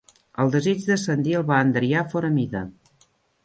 El desig d'ascendir el va enderiar fora mida.